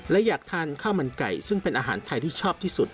และอยากทานข้าวมันไก่ซึ่งเป็นอาหารไทยที่ชอบที่สุด